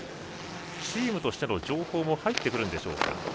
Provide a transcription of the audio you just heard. チームとしての情報も入ってくるでしょうか。